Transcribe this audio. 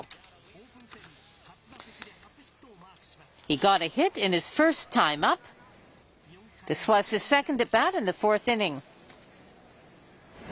オープン戦、初打席で初ヒットをマークします。